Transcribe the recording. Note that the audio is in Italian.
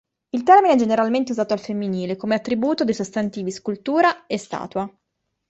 Il termine è generalmente usato al femminile, come attributo dei sostantivi "scultura" e "statua".